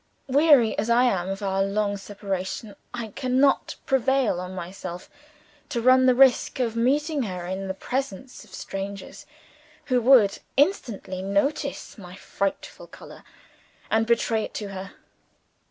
Weary as I am of our long separation, I cannot prevail on myself to run the risk of meeting her in the presence of strangers, who would instantly notice my frightful color, and betray it to her.